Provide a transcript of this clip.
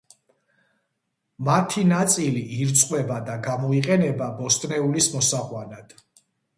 მათი ნაწილი ირწყვება და გამოიყენება ბოსტნეულის მოსაყვანად.